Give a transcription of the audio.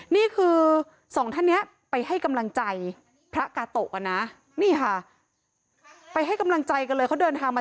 นี่คือสองท่านนี้ไปให้กำลังใจพระกาโตะกันนะนี่ค่ะไปให้กำลังใจกันเลยเขาเดินทางมา